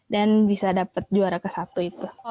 dan bisa dapet juara ke satu itu